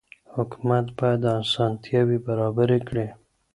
حکومت بايد اسانتياوي برابري کړي.